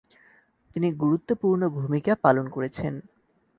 তিনি গুরুত্বপূর্ণ ভূমিকা পালন করেছেন।